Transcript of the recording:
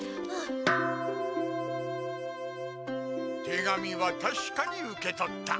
手紙はたしかに受け取った。